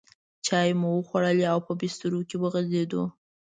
چای مو وخوړې او په بسترو کې وغځېدو.